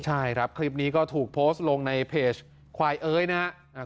ใช่ครับคลิปนี้ก็ถูกโพสต์ลงในเพจควายเอ้ยนะครับ